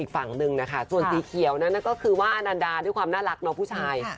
อีกฝั่งหนึ่งส่วนสีเขียวก็คืออันนดาด้วยความน่ารักน้องผู้ชาย